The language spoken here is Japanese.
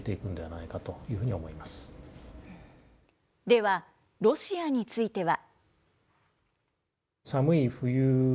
では、ロシアについては。